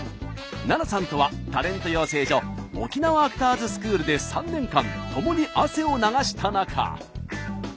ＮＡＮＡさんとはタレント養成所沖縄アクターズスクールで３年間ともに汗を流した仲。